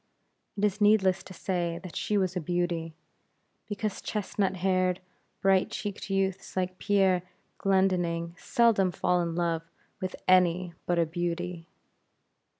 It is needless to say that she was a beauty; because chestnut haired, bright cheeked youths like Pierre Glendinning, seldom fall in love with any but a beauty.